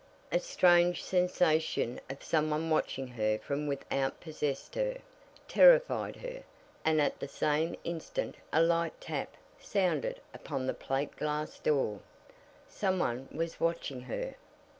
A strange sensation of some one watching her from without possessed her, terrified her, and at the same instant a light tap sounded upon the plate glass door. Some one was watching her!